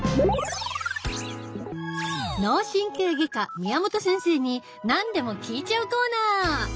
脳神経外科宮本先生に何でも聞いちゃうコーナー！